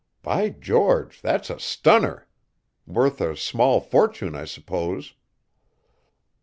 By George! that's a stunner! Worth a small fortune, I suppose."